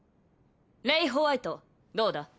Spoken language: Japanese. レイ＝ホワイトどうだ？